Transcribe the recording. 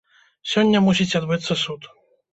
Сёння мусіць адбыцца суд.